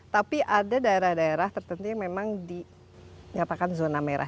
tapi ada daerah daerah tertentu yang memang dinyatakan zona merah